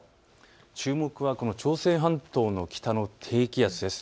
注目は朝鮮半島の北の低気圧です。